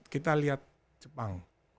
kita lihat jepang